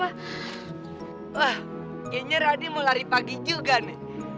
wah kayaknya radi mau lari pagi juga nih